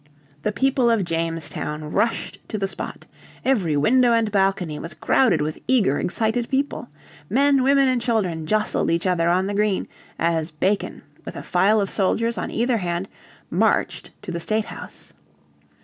The people of Jamestown rushed to the spot. Every window and balcony was crowded with eager excited people. Men, women and children jostled each other on the green, as Bacon, with a file of soldiers on either hand, marched to the State House.